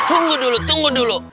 tunggu dulu tunggu dulu